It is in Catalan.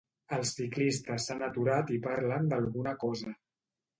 Els ciclistes s'han aturat i parlen d'alguna cosa.